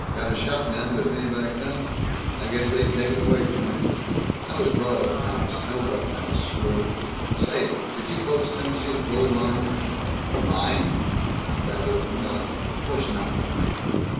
Got a shotgun, but if anybody come, I guess they'd take it away from me. I was brought up nice, no rough house or Say, did you folks come to see the gold mine?" "M mine?" babbled Milt. "Course not.